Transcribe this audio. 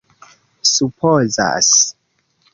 supozas